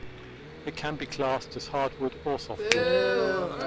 It can be classed as hardwood or softwood.